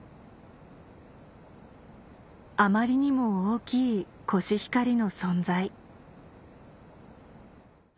あまりにも大きいコシヒカリの存在